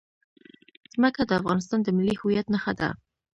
ځمکه د افغانستان د ملي هویت نښه ده.